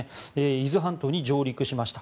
伊豆半島に上陸しました。